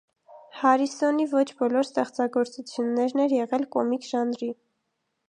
Հարիսոնի ոչ բոլոր ստեղծագործություններն էր եղել կոմիկ ժանրի։